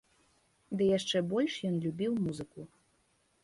Ды яшчэ больш ён любіў музыку.